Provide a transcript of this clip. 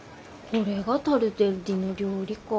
これがタルデッリの料理か。